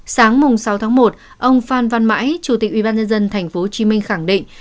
sáng sáu tháng một ông phan văn mãi chủ tịch ubnd tp hcm khẳng định